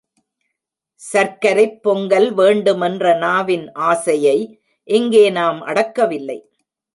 சர்க்கரைப் பொங்கல் வேண்டுமென்ற நாவின் ஆசையை இங்கே நாம் அடக்கவில்லை.